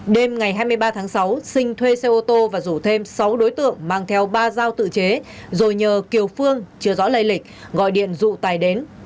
đêm ngày hai mươi ba tháng sáu sinh thuê xe ô tô và rủ thêm sáu đối tượng mang theo ba dao tự chế rồi nhờ kiều phương chưa rõ lây lịch gọi điện dụ tài đến